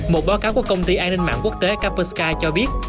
một báo cáo của công ty an ninh mạng quốc tế caperska cho biết